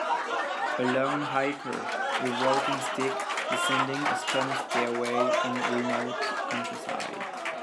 A lone hiker with walking stick descending a stony stairway in remote countryside.